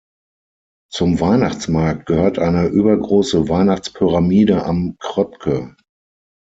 Zum Weihnachtsmarkt gehört eine übergroße Weihnachtspyramide am Kröpcke.